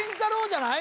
じゃない？